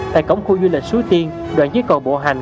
tại cổng khu du lịch suối tiên đoạn dưới cầu bộ hành